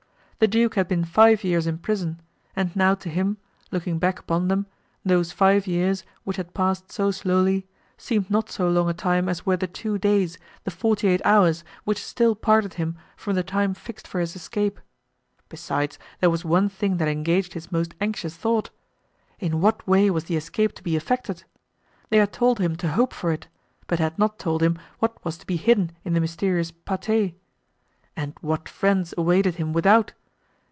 The duke had been five years in prison, and now to him, looking back upon them, those five years, which had passed so slowly, seemed not so long a time as were the two days, the forty eight hours, which still parted him from the time fixed for his escape. Besides, there was one thing that engaged his most anxious thought—in what way was the escape to be effected? They had told him to hope for it, but had not told him what was to be hidden in the mysterious pate. And what friends awaited him without?